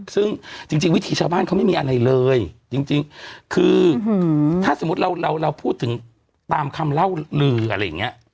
ซึ่งจริงวิถีชาวบ้านเขาไม่มีอะไรเลยจริงคือถ้าสมมุติเราพูดถึงตามคำเล่าลืออะไรอย่างนี้